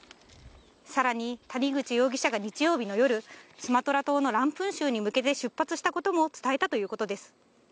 さらに、谷口容疑者が日曜日の夜、スマトラ島のランプン州に向けて出発したことも伝えたということです。